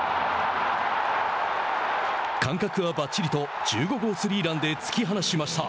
「感覚はばっちり」と１５号スリーランで突き放しました。